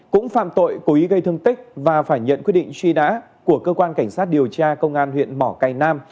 cũng phạm tội cố ý gây thương tích và phải nhận quyết định truy nã của cơ quan cảnh sát điều tra công an huyện mỏ cây nam